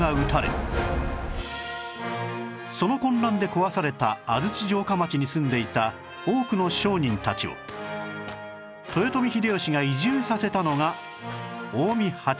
その混乱で壊された安土城下町に住んでいた多くの商人たちを豊臣秀吉が移住させたのが近江八幡